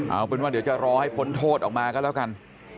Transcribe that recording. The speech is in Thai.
เอาเป็นว่าเดี๋ยวจะรอให้พ้นโทษออกมาก็แล้วกัน